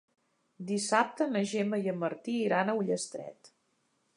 Dissabte na Gemma i en Martí iran a Ullastret.